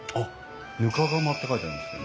ぬか釜って書いてありますね